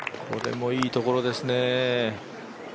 これもいいところですね。